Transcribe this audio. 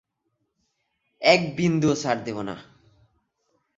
এক বিন্দুও ছাড় দেব না।